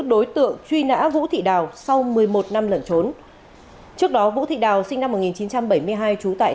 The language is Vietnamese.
đối tượng truy nã vũ thị đào sau một mươi một năm lẩn trốn trước đó vũ thị đào sinh năm một nghìn chín trăm bảy mươi hai trú tại